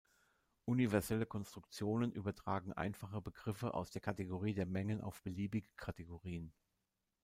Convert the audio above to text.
Universelle Konstruktionen übertragen einfache Begriffe aus der Kategorie der Mengen auf beliebige Kategorien.